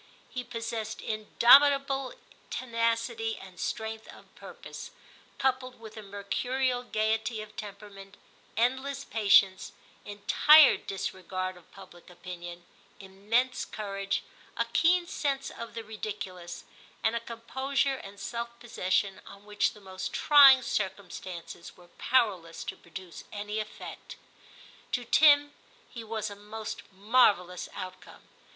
He possessed indomitable tenacity and strength of purpose, coupled with a mercurial gaiety of temperament, endless patience, entire dis regard of public opinion, immense courage, a keen sense of the ridiculous, and a com posure and self possession on which the most trying circumstances were powerless to pro VI TIM 121 duce any effect. To Tim he was a most marvellous outcome.